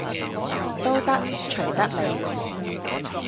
都得，隨得你